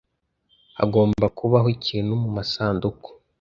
Hagomba kubaho ikintu mumasanduku.